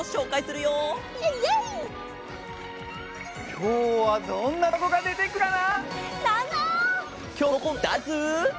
きょうはどんなたまごがでてくるかな？